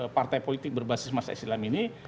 partai politik berbasis masa islam ini